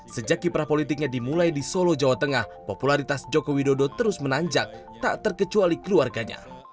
sejak kiprah politiknya dimulai di solo jawa tengah popularitas joko widodo terus menanjak tak terkecuali keluarganya